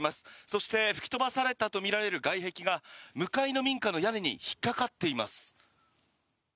そして吹き飛ばされたとみられる外壁が向かいの民家の屋根に引っかかっています。